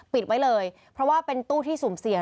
ปิดไว้เลยเพราะว่าเป็นตู้ที่สุ่มเสี่ยง